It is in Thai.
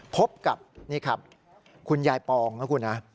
พบกับนี่ครับคุณยายปองนะคุณนะ